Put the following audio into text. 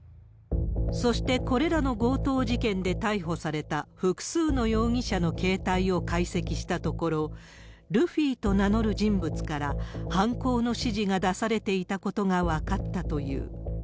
そして、これらの強盗事件で逮捕された複数の容疑者の携帯を解析したところ、ルフィと名乗る人物から、犯行の指示が出されていたことが分かったという。